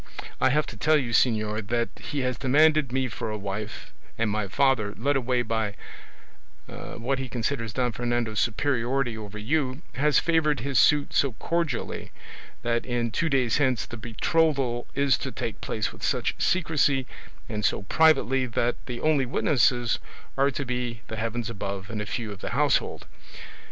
I have to tell you, señor, that he has demanded me for a wife, and my father, led away by what he considers Don Fernando's superiority over you, has favoured his suit so cordially, that in two days hence the betrothal is to take place with such secrecy and so privately that the only witnesses are to be the Heavens above and a few of the household.